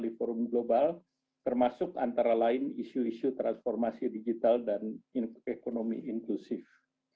di forum global termasuk antara lain isu isu transformasi digital dan ekonomi inklusif